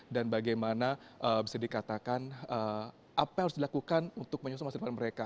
dan bagaimana bisa dikatakan apa yang harus dilakukan untuk menyosong masyarakat mereka